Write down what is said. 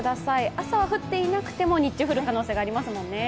朝は降っていなくても日中降る可能性、ありますもんね。